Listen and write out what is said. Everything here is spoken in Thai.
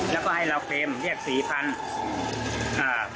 แล้วก็ให้เราเฟลมสวัสดีครับ